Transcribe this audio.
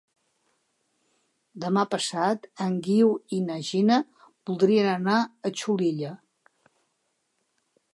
Demà passat en Guiu i na Gina voldrien anar a Xulilla.